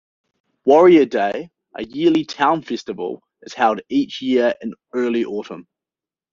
Warrior Day, a yearly town festival, is held each year in early autumn.